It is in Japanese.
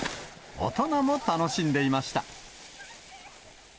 大人も楽しんでいました。